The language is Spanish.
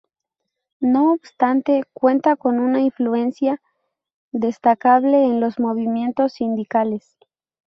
No obstante, cuenta con una influencia destacable en los movimientos sindicales.